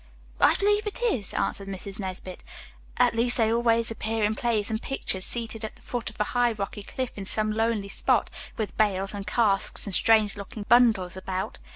"I believe it is," answered Mrs. Nesbit. "At least they always appear in plays and pictures seated at the foot of a high, rocky cliff in some lonely spot, with bales and casks and strange looking bundles about.